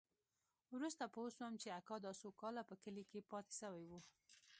وروسته پوه سوم چې اکا دا څو کاله په کلي کښې پاته سوى و.